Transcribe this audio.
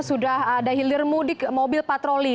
sudah ada hilir mudik mobil patroli